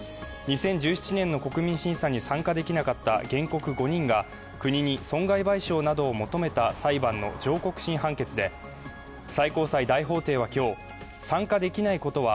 ２０１７年の国民審査に参加できなかった原告５人が国に損害賠償などを求めた裁判の上告審判決で最高裁大法廷は今日、参加できないことは